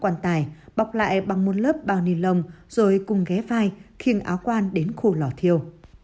quan tài bọc lại bằng một lớp bao ni lông rồi cùng ghé vai khiêng áo quan đến khu lò thiêu